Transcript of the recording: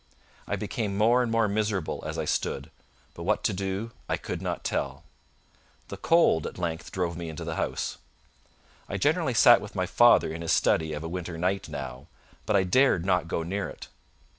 I became more and more miserable as I stood, but what to do I could not tell. The cold at length drove me into the house. I generally sat with my father in his study of a winter night now, but I dared not go near it.